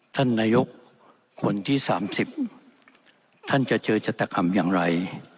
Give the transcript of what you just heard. ท่านนายกคนที่๓๐ท่านจะเจอจัตกรรมอย่างไร